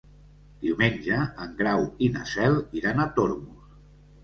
Diumenge en Grau i na Cel iran a Tormos.